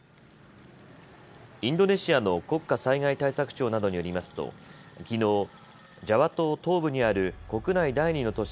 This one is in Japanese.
インドネシアの国家災害対策庁などによりますときのう、ジャワ島東部にある国内第２の都市